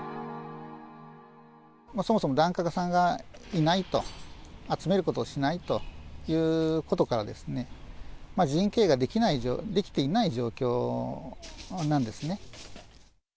そもそも、檀家さんがいないと、集めることをしないということから、寺院経営ができていない状況なんですね。